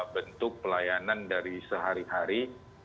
bentuk pelayanan dari sehari hari